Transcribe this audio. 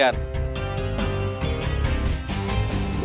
jangan jadi musuh sekalian